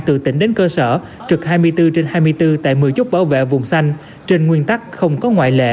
từ tỉnh đến cơ sở trực hai mươi bốn trên hai mươi bốn tại một mươi chốt bảo vệ vùng xanh trên nguyên tắc không có ngoại lệ